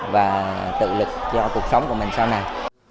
và tự lực cho cuộc sống của mình sau này